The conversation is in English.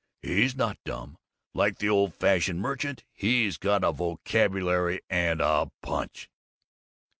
He's not dumb, like the old fashioned merchant. He's got a vocabulary and a punch.